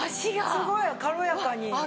すごい軽やかに。